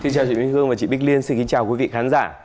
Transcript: xin chào quý vị khán giả